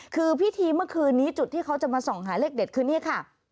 คือพิธีเมื่อคืนนี้จุดที่เขาจะมาส่องหาเลขเด็ดคือนี่ค่ะ